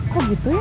kok gitu ya